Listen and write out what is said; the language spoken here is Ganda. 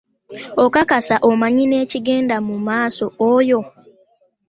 Okakasa amanyi n'ekigenda mu maaso oyo?